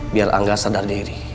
biar angga sadar diri